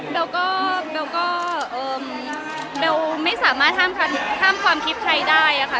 แบลก็ไม่สามารถท่ามความคิดใครได้ค่ะ